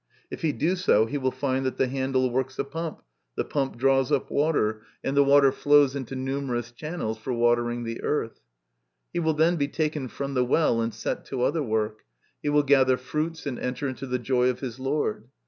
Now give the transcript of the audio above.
If he do so he will find that the handle works a pump, the pump draws up water, and the water MY CONFESSION. 107 flows into numerous channels for watering the earth. He will then be taken from the well and set to other work ; he will gather fruits and enter into the joy of his lord.